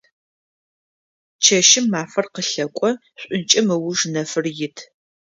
Чэщым мафэр къылъэкӏо, шӏункӏым ыуж нэфыр ит.